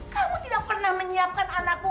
kamu tidak pernah menyiapkan anakku